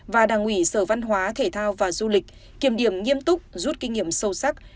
và đảng ủy sở văn hóa thể thao và du lịch kiểm điểm nghiêm túc rút kinh nghiệm sâu sắc